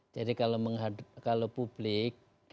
jadi kalau menghadap kalau publik